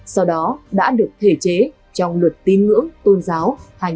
sau đó đã được thể chế trong luật tin ngưỡng tôn giáo hai nghìn một mươi bốn